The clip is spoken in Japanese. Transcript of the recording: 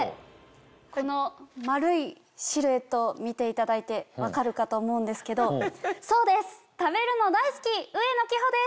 この丸いシルエット見ていただいて分かるかと思うんですけどそうです！です